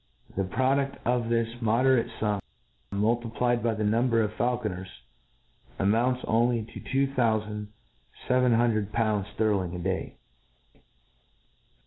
The produd of this moderate fum multiplied by the number of faul* coners, amounts only to two thoufand fevcn hun dred pounds fterling a day.